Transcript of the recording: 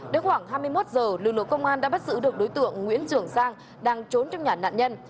đến khoảng hai mươi một h lưu lực công an đã bắt giữ được đối tượng nguyễn trường giang đang trốn trong nhà nạn nhân